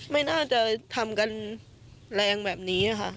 ไม่น่าจะทำกันแรงแบบนี้ค่ะ